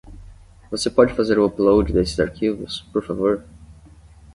Você pode fazer o upload desses arquivos, por favor?